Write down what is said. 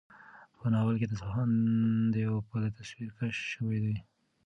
په ناول کې د اصفهان د یوه پله تصویرکشي شوې ده.